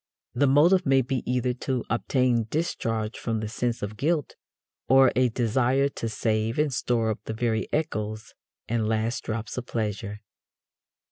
The motive may be either to obtain discharge from the sense of guilt or a desire to save and store up the very echoes and last drops of pleasure.